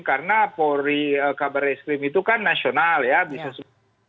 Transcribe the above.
karena kabar es krim itu kan nasional ya bisa sebut